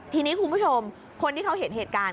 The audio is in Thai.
ทีนี้คุณผู้ชมคนที่เขาเห็นเหตุการณ์